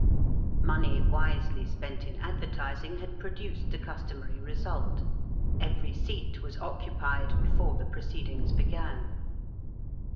Money wisely spent in advertising had produced the customary result: every seat was occupied before the proceedings began.